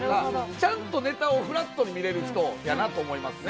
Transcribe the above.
ちゃんとネタをフラットに見れる人やなと思いますね。